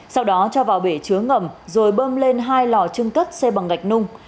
sau đó cho vào bể chứa ngầm rồi bơm lên hai lò chương cất xe bằng ngạch nung